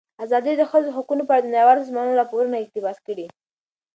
ازادي راډیو د د ښځو حقونه په اړه د نړیوالو سازمانونو راپورونه اقتباس کړي.